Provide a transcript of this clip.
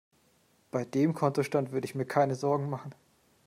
Bei dem Kontostand würde ich mir keine Sorgen machen.